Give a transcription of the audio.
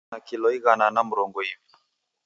Oka na kilo ighana na murongo iw'i